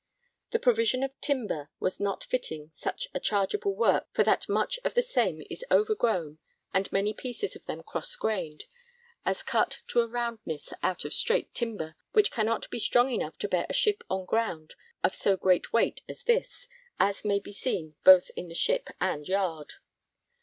The provision of timber was not fitting such a chargeable work for that much of the same is overgrown and many pieces of them cross grained, as cut to a roundness out of straight timber, which cannot be strong enough to bear a ship on ground of so great weight as this is; as may be seen both in the ship and yard.